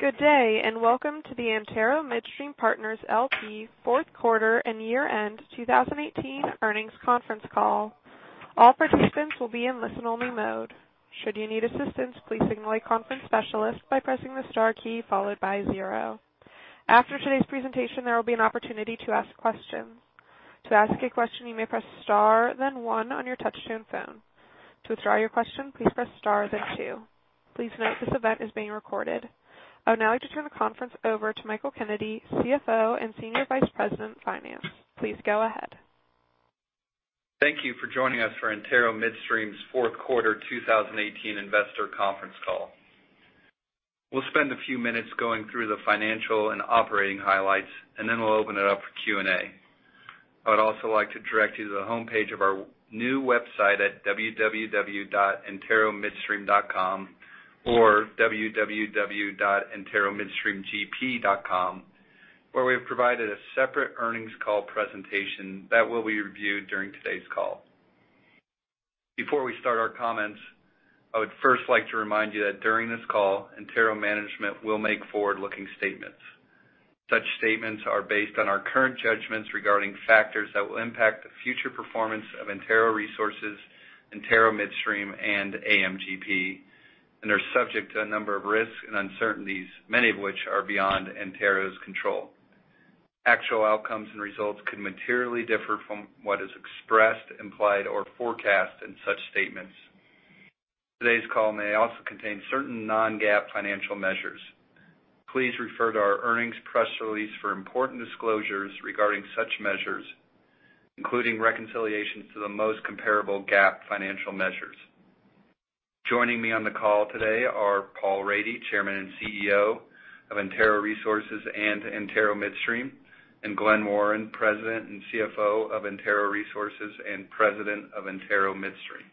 Good day, welcome to the Antero Midstream Partners LP Fourth Quarter and Year-End 2018 Earnings Conference Call. All participants will be in listen-only mode. Should you need assistance, please signal a conference specialist by pressing the star key followed by zero. After today's presentation, there will be an opportunity to ask questions. To ask a question, you may press star then one on your touch-tone phone. To withdraw your question, please press star then two. Please note this event is being recorded. I would now like to turn the conference over to Michael Kennedy, CFO and Senior Vice President of Finance. Please go ahead. Thank you for joining us for Antero Midstream's fourth quarter 2018 investor conference call. We'll spend a few minutes going through the financial and operating highlights, then we'll open it up for Q&A. I would also like to direct you to the homepage of our new website at www.anteromidstream.com or www.anteromidstreamgp.com, where we have provided a separate earnings call presentation that will be reviewed during today's call. Before we start our comments, I would first like to remind you that during this call, Antero management will make forward-looking statements. Such statements are based on our current judgments regarding factors that will impact the future performance of Antero Resources, Antero Midstream, and AMGP, are subject to a number of risks and uncertainties, many of which are beyond Antero's control. Actual outcomes and results could materially differ from what is expressed, implied, or forecast in such statements. Today's call may also contain certain non-GAAP financial measures. Please refer to our earnings press release for important disclosures regarding such measures, including reconciliations to the most comparable GAAP financial measures. Joining me on the call today are Paul Rady, Chairman and CEO of Antero Resources and Antero Midstream, Glen Warren, President and CFO of Antero Resources, and President of Antero Midstream.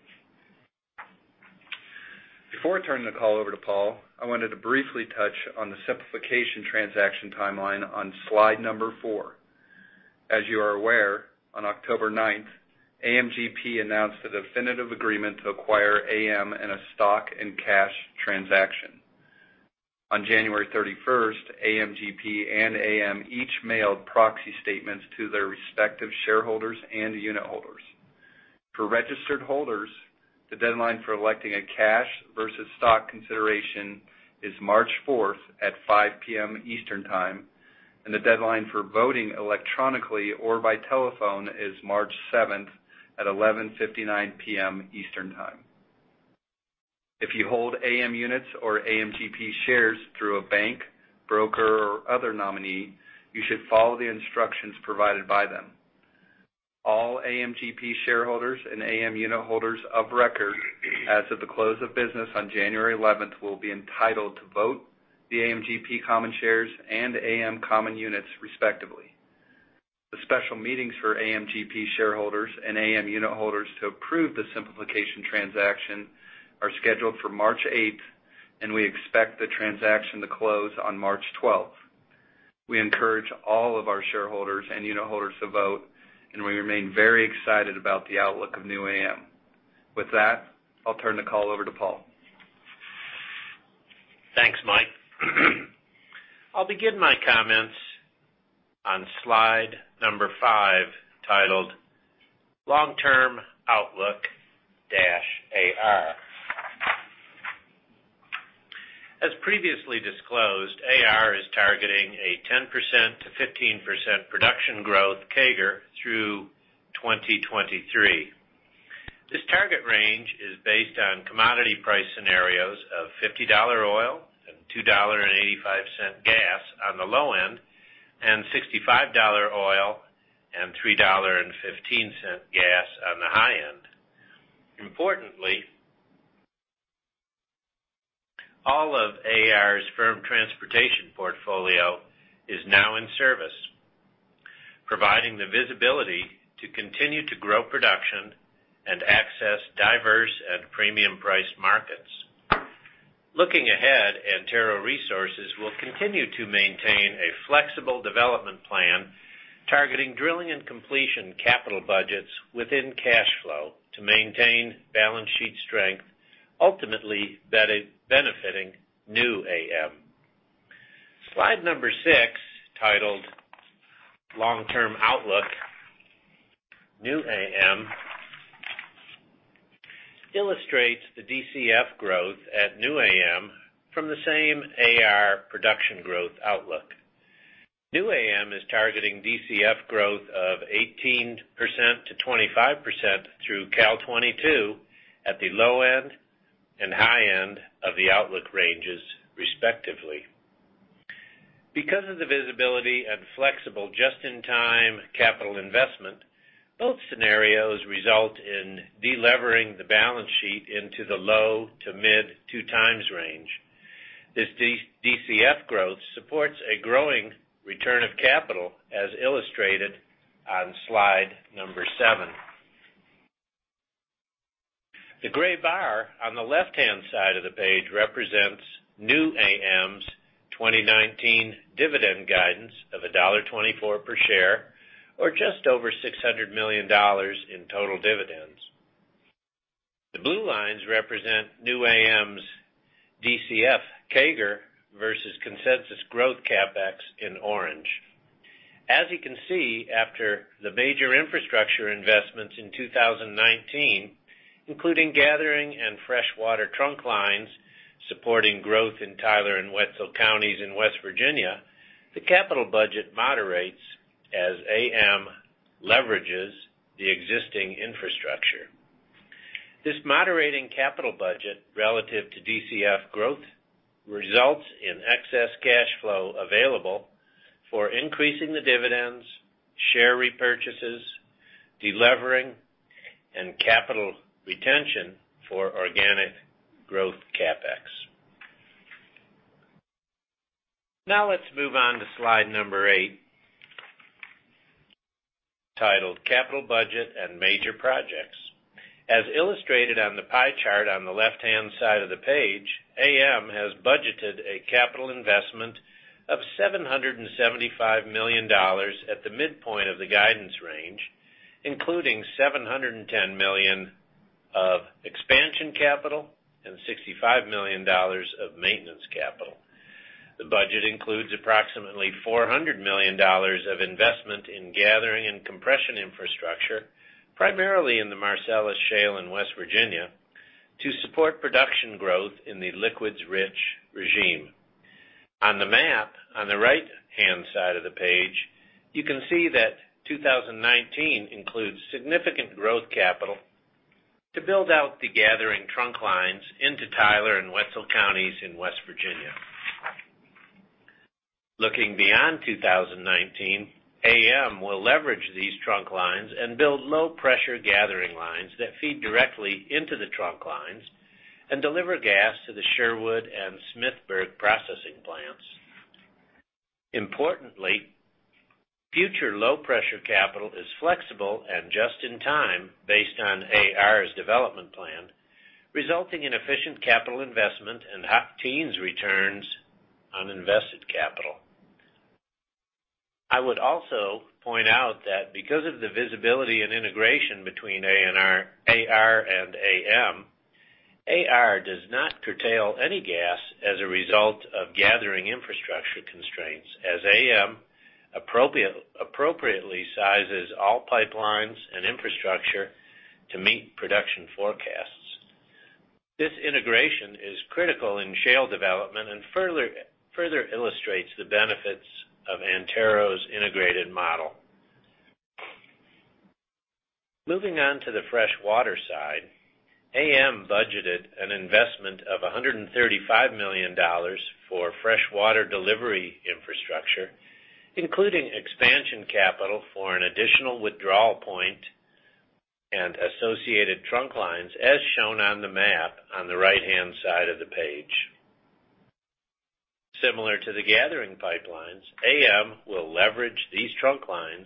Before I turn the call over to Paul, I wanted to briefly touch on the simplification transaction timeline on slide number four. As you are aware, on October ninth, AMGP announced a definitive agreement to acquire AM in a stock and cash transaction. On January 31st, AMGP and AM each mailed proxy statements to their respective shareholders and unitholders. For registered holders, the deadline for electing a cash versus stock consideration is March fourth at 5:00 P.M. Eastern Time, the deadline for voting electronically or by telephone is March seventh at 11:59 P.M. Eastern Time. If you hold AM units or AMGP shares through a bank, broker, or other nominee, you should follow the instructions provided by them. All AMGP shareholders and AM unitholders of record as of the close of business on January 11th will be entitled to vote the AMGP common shares and AM common units respectively. The special meetings for AMGP shareholders and AM unitholders to approve the simplification transaction are scheduled for March eighth, we expect the transaction to close on March 12th. We encourage all of our shareholders and unitholders to vote, we remain very excited about the outlook of new AM. With that, I'll turn the call over to Paul. Thanks, Mike. I'll begin my comments on slide number five, titled Long-Term Outlook-AR. As previously disclosed, AR is targeting a 10%-15% production growth CAGR through 2023. This target range is based on commodity price scenarios of $50 oil and $2.85 gas on the low end, and $65 oil and $3.15 gas on the high end. Importantly, all of AR's firm transportation portfolio is now in service, providing the visibility to continue to grow production and access diverse and premium-priced markets. Looking ahead, Antero Resources will continue to maintain a flexible development plan targeting drilling and completion capital budgets within cash flow to maintain balance sheet strength, ultimately benefiting new AM. Slide number six, titled Long-Term Outlook New AM, illustrates the DCF growth at new AM from the same AR production growth outlook. New AM is targeting DCF growth of 18%-25% through CAL-22 at the low end and high end of the outlook ranges respectively. Because of the visibility and flexible just-in-time capital investment, both scenarios result in de-levering the balance sheet into the low to mid two times range. This DCF growth supports a growing return of capital as illustrated on slide number seven. The gray bar on the left-hand side of the page represents new AM's 2019 dividend guidance of $1.24 per share or just over $600 million in total dividends. The blue lines represent new AM's DCF CAGR versus consensus growth CapEx in orange. As you can see, after the major infrastructure investments in 2019, including gathering and freshwater trunk lines supporting growth in Tyler and Wetzel counties in West Virginia, the capital budget moderates as AM leverages the existing infrastructure. This moderating capital budget relative to DCF growth results in excess cash flow available for increasing the dividends, share repurchases, de-levering, and capital retention for organic growth CapEx. Let's move on to slide number eight, titled Capital Budget and Major Projects. As illustrated on the pie chart on the left-hand side of the page, AM has budgeted a capital investment of $775 million at the midpoint of the guidance range, including $710 million of expansion capital and $65 million of maintenance capital. The budget includes approximately $400 million of investment in gathering and compression infrastructure, primarily in the Marcellus Shale in West Virginia, to support production growth in the liquids-rich regime. On the map on the right-hand side of the page, you can see that 2019 includes significant growth capital to build out the gathering trunk lines into Tyler and Wetzel counties in West Virginia. Looking beyond 2019, AM will leverage these trunk lines and build low-pressure gathering lines that feed directly into the trunk lines and deliver gas to the Sherwood and Smithburg processing plants. Importantly, future low-pressure capital is flexible and just in time based on AR's development plan, resulting in efficient capital investment and high teens returns on invested capital. I would also point out that because of the visibility and integration between AR and AM, AR does not curtail any gas as a result of gathering infrastructure constraints, as AM appropriately sizes all pipelines and infrastructure to meet production forecasts. This integration is critical in shale development and further illustrates the benefits of Antero's integrated model. Moving on to the fresh water side, AM budgeted an investment of $135 million for fresh water delivery infrastructure, including expansion capital for an additional withdrawal point and associated trunk lines, as shown on the map on the right-hand side of the page. Similar to the gathering pipelines, AM will leverage these trunk lines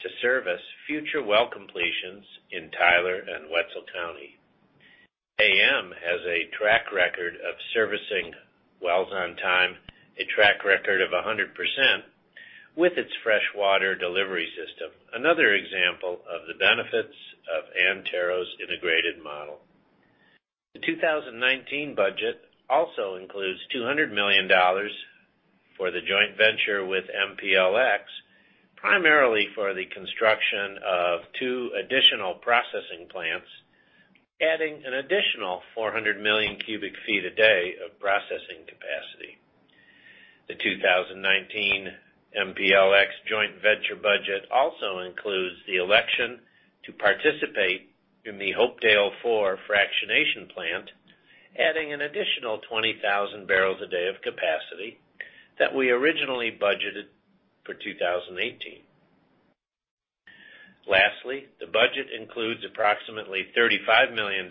to service future well completions in Tyler and Wetzel County. AM has a track record of servicing wells on time, a track record of 100%, with its fresh water delivery system, another example of Antero's integrated model. The 2019 budget also includes $200 million for the joint venture with MPLX, primarily for the construction of two additional processing plants, adding an additional 400 million cubic feet a day of processing capacity. The 2019 MPLX joint venture budget also includes the election to participate in the Hopedale Four fractionation plant, adding an additional 20,000 barrels a day of capacity that we originally budgeted for 2018. Lastly, the budget includes approximately $35 million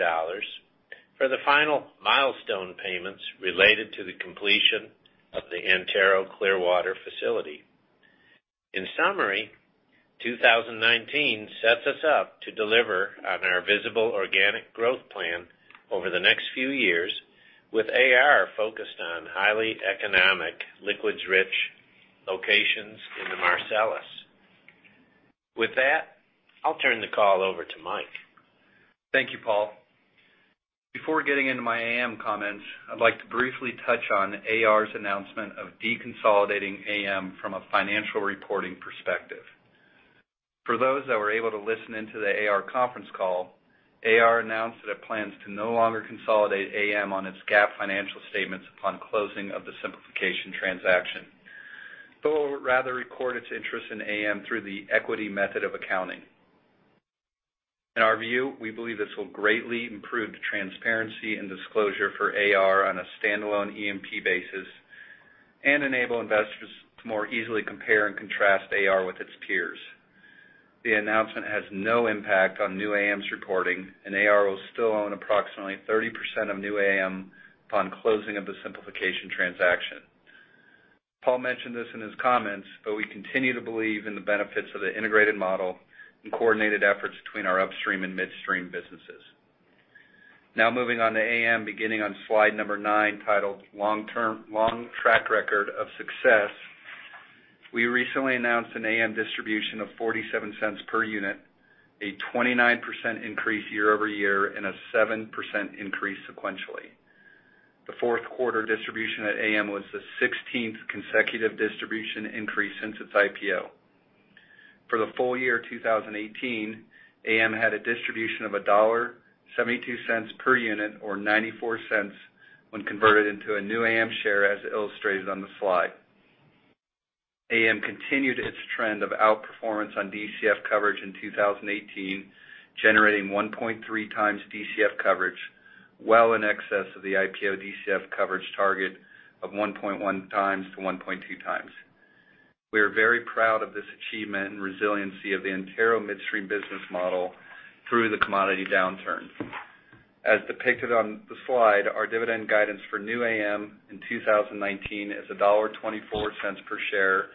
for the final milestone payments related to the completion of the Antero Clearwater facility. In summary, 2019 sets us up to deliver on our visible organic growth plan over the next few years, with AR focused on highly economic liquids-rich locations in the Marcellus. With that, I'll turn the call over to Mike. Thank you, Paul. Before getting into my AM comments, I'd like to briefly touch on AR's announcement of deconsolidating AM from a financial reporting perspective. For those that were able to listen in to the AR conference call, AR announced that it plans to no longer consolidate AM on its GAAP financial statements upon closing of the simplification transaction. It will rather record its interest in AM through the equity method of accounting. In our view, we believe this will greatly improve the transparency and disclosure for AR on a standalone E&P basis and enable investors to more easily compare and contrast AR with its peers. The announcement has no impact on new AM's reporting, and AR will still own approximately 30% of new AM upon closing of the simplification transaction. Paul mentioned this in his comments, we continue to believe in the benefits of the integrated model and coordinated efforts between our upstream and midstream businesses. Moving on to AM, beginning on slide number nine titled Long Track Record of Success. We recently announced an AM distribution of $0.47 per unit, a 29% increase year-over-year, and a 7% increase sequentially. The fourth quarter distribution at AM was the 16th consecutive distribution increase since its IPO. For the full year 2018, AM had a distribution of $1.72 per unit, or $0.94 when converted into a new AM share, as illustrated on the slide. AM continued its trend of outperformance on DCF coverage in 2018, generating 1.3 times DCF coverage, well in excess of the IPO DCF coverage target of 1.1 times to 1.2 times. We are very proud of this achievement and resiliency of the Antero Midstream business model through the commodity downturn. As depicted on the slide, our dividend guidance for new AM in 2019 is $1.24 per share,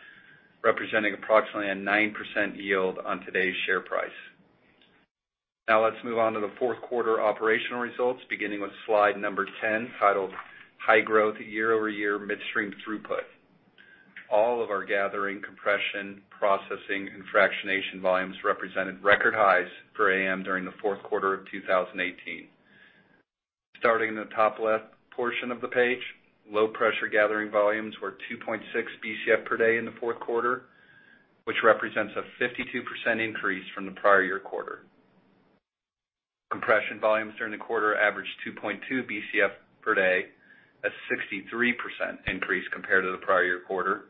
representing approximately a 9% yield on today's share price. Let's move on to the fourth quarter operational results, beginning with slide number 10, titled High Growth year-over-year Midstream Throughput. All of our gathering, compression, processing, and fractionation volumes represented record highs for AM during the fourth quarter of 2018. Starting in the top left portion of the page, low pressure gathering volumes were 2.6 Bcf per day in the fourth quarter, which represents a 52% increase from the prior year quarter. Compression volumes during the quarter averaged 2.2 Bcf per day, a 63% increase compared to the prior year quarter.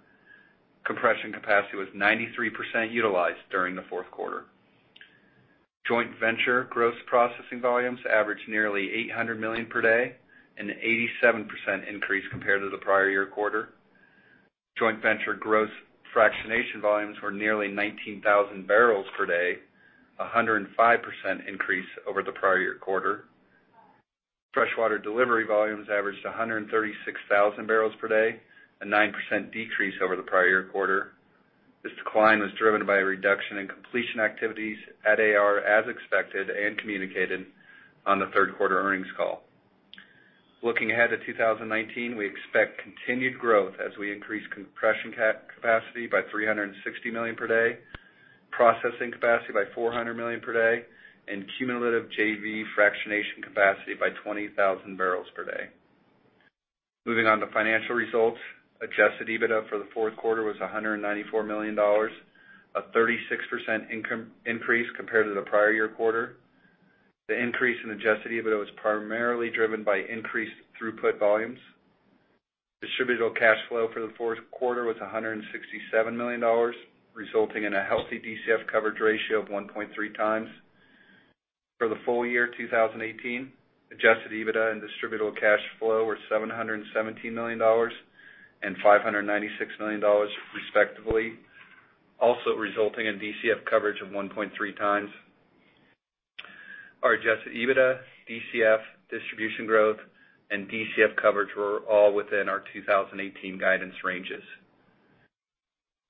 Compression capacity was 93% utilized during the fourth quarter. Joint venture gross processing volumes averaged nearly 800 million per day, an 87% increase compared to the prior year quarter. Joint venture gross fractionation volumes were nearly 19,000 barrels per day, 105% increase over the prior year quarter. Freshwater delivery volumes averaged 136,000 barrels per day, a 9% decrease over the prior year quarter. This decline was driven by a reduction in completion activities at AR, as expected and communicated on the third quarter earnings call. Looking ahead to 2019, we expect continued growth as we increase compression capacity by 360 million per day, processing capacity by 400 million per day, and cumulative JV fractionation capacity by 20,000 barrels per day. Moving on to financial results. Adjusted EBITDA for the fourth quarter was $194 million, a 36% increase compared to the prior year quarter. The increase in Adjusted EBITDA was primarily driven by increased throughput volumes. Distributable cash flow for the fourth quarter was $167 million, resulting in a healthy DCF coverage ratio of 1.3 times. For the full year 2018, Adjusted EBITDA and distributable cash flow were $717 million and $596 million respectively, also resulting in DCF coverage of 1.3 times. Our Adjusted EBITDA, DCF, distribution growth, and DCF coverage were all within our 2018 guidance ranges.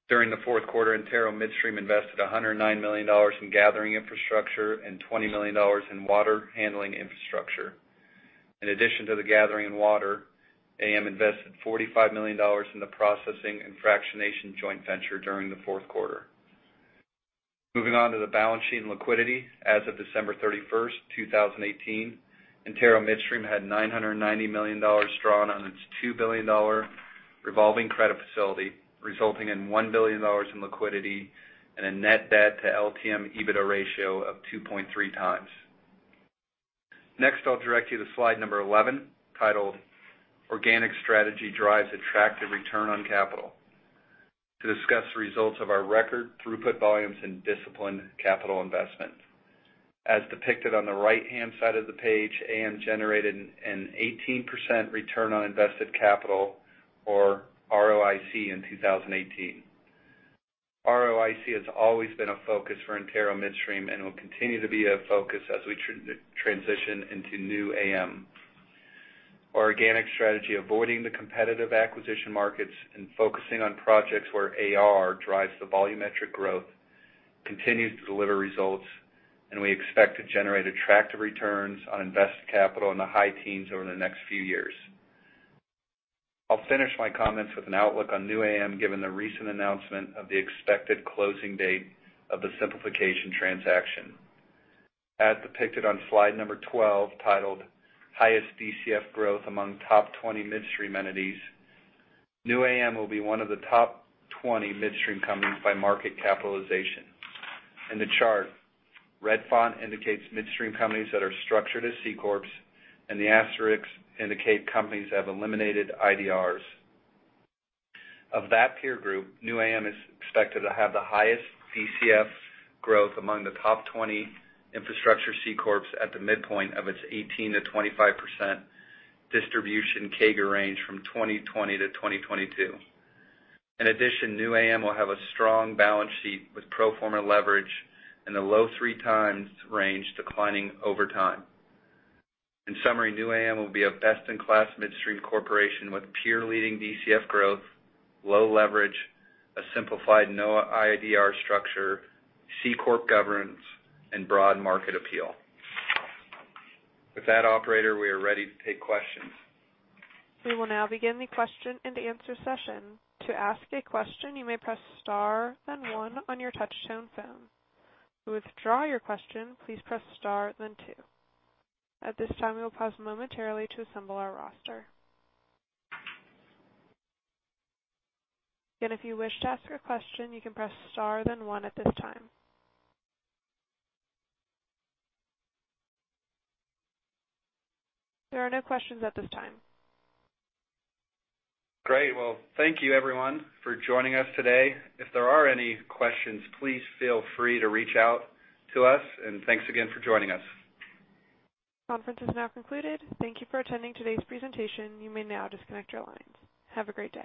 During the fourth quarter, Antero Midstream invested $109 million in gathering infrastructure and $20 million in water handling infrastructure. In addition to the gathering and water, AM invested $45 million in the processing and fractionation joint venture during the fourth quarter. Moving on to the balance sheet and liquidity. As of December 31st, 2018, Antero Midstream had $990 million drawn on its $2 billion revolving credit facility, resulting in $1 billion in liquidity and a net debt to LTM EBITDA ratio of 2.3 times. I'll direct you to slide number 11, titled Organic Strategy Drives Attractive Return on Capital, to discuss the results of our record throughput volumes and disciplined capital investment. As depicted on the right-hand side of the page, AM generated an 18% return on invested capital, or ROIC, in 2018. ROIC has always been a focus for Antero Midstream and will continue to be a focus as we transition into new AM. Our organic strategy, avoiding the competitive acquisition markets and focusing on projects where AR drives the volumetric growth, continues to deliver results, and we expect to generate attractive returns on invested capital in the high teens over the next few years. I'll finish my comments with an outlook on new AM, given the recent announcement of the expected closing date of the simplification transaction. As depicted on slide number 12, titled Highest DCF Growth Among Top 20 Midstream Entities, new AM will be one of the top 20 midstream companies by market capitalization. In the chart, red font indicates midstream companies that are structured as C corps, and the asterisks indicate companies that have eliminated IDRs. Of that peer group, new AM is expected to have the highest DCF growth among the top 20 infrastructure C corps at the midpoint of its 18%-25% distribution CAGR range from 2020 to 2022. In addition, new AM will have a strong balance sheet with pro forma leverage in the low three times range, declining over time. In summary, new AM will be a best in class midstream corporation with peer-leading DCF growth, low leverage, a simplified no IDR structure, C corp governance, and broad market appeal. With that, operator, we are ready to take questions. We will now begin the question and answer session. To ask a question, you may press star then one on your touchtone phone. To withdraw your question, please press star then two. At this time, we will pause momentarily to assemble our roster. Again, if you wish to ask your question, you can press star then one at this time. There are no questions at this time. Great. Well, thank you everyone for joining us today. If there are any questions, please feel free to reach out to us, and thanks again for joining us. Conference is now concluded. Thank you for attending today's presentation. You may now disconnect your lines. Have a great day.